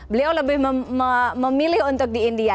beliau lebih memilih untuk di india